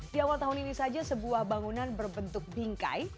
di awal tahun ini saja sebuah bangunan berbentuk bingkai